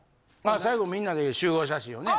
最後みんなで集合写真をね。